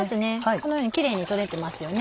このようにキレイに取れてますよね。